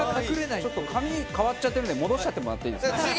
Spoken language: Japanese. ちょっと髪変わっちゃってるんで、戻してもらっていいですか。